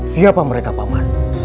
siapa mereka paman